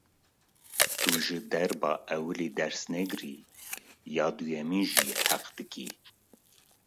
Tu ji derba ewilî ders negirî, ya duyemîn jî heq dikî.